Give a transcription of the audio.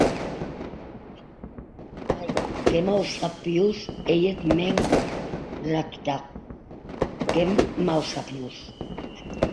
Ai, qué mausapiós ei eth mèn Rakitka, qué mausapiós!